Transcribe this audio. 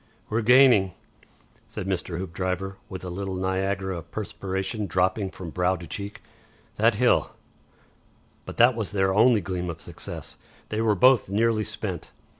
"We're gaining," said Mr. Hoopdriver, with a little Niagara of perspiration dropping from brow to cheek. "That hill " But that was their only gleam of success. They were both nearly spent.